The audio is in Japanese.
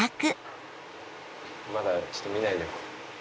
まだちょっと見ないでおこう。